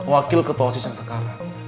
wakil ketua oss yang sekarang